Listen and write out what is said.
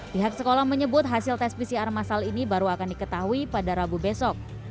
pihak sekolah menyebut hasil tes pcr masal ini baru akan diketahui pada rabu besok